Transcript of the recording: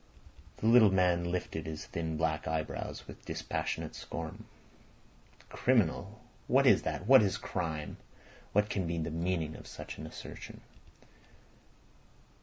The little man lifted his thin black eyebrows with dispassionate scorn. "Criminal! What is that? What is crime? What can be the meaning of such an assertion?"